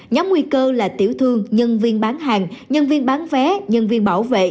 nhóm nguy cơ là tiểu thương nhân viên bán hàng nhân viên bán vé nhân viên bảo vệ